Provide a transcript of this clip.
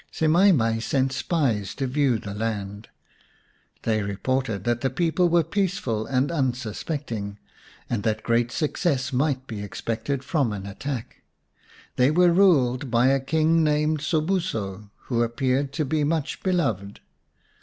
Semai mai sent spies to view the land. They reported that the people were peaceful and unsuspecting, and that great success might be expected from an attack. They were ruled by a King named Sobuso, who appeared to be much beloved.